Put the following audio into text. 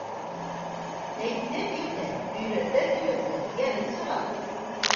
Әйтә-әйтә, өйрәтә-өйрәтә йәнең сыға.